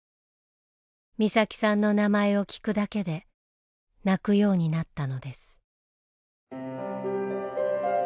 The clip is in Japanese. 美咲さんの名前を聞くだけで泣くようになったのです。